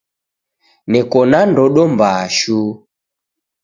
Neko na ndodo mbaa shuu.